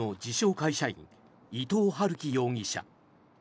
会社員伊藤龍稀容疑者。